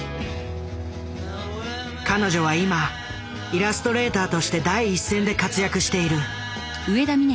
彼女は今イラストレーターとして第一線で活躍している。